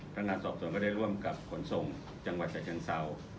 พนักงานสอบสวนก็ได้ร่วมกับขนส่งจังหวัดชายเชิงเศร้า